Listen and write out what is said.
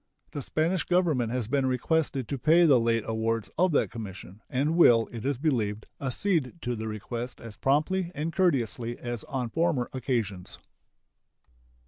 The Spanish Government has been requested to pay the late awards of that Commission, and will, it is believed, accede to the request as promptly and courteously as on former occasions.